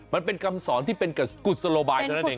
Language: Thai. มันเป็นคำสอนที่เป็นกุศโลบายเท่านั้นเอง